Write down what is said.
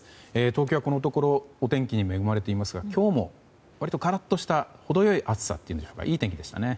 東京はこのところお天気に恵まれていますが今日も割とカラッとした程良い暑さというかいい天気でしたね。